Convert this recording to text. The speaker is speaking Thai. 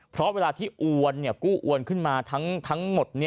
เพราะเวลาที่อวนกู้อวนขึ้นมาทั้งหมด